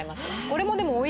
これもでも。